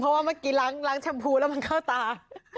เพราะว่าเมื่อกี้ล้างแชมพูแล้วมันเข้าตา